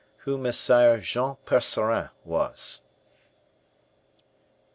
Who Messire Jean Percerin Was.